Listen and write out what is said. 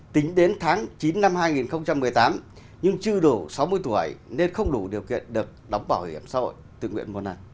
tính đến tháng chín năm hai nghìn một mươi tám nhưng chưa đủ sáu mươi tuổi nên không đủ điều kiện được đóng bảo hiểm xã hội tự nguyện một lần